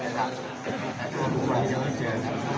ทุกคนที่เจอ